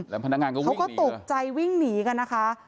แล้วพนักงานเขาก็วิ่งหนีละเขาก็ตกใจวิ่งหนีกันนะคะ